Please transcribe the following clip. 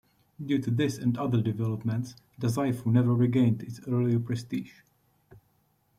Due to this and other developments, Dazaifu never regained its earlier prestige.